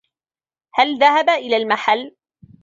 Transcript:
هل ذهبت إلى المحلّ؟